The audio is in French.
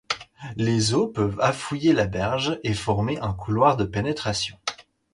Les eaux peuvent affouiller la berge et former un couloir de pénétration.